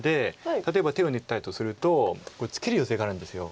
例えば手を抜いたりするとこれツケるヨセがあるんです。